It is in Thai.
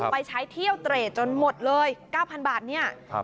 ไปใช้เที่ยวเตรตจนหมดเลยเก้าพันบาทเนี่ยครับ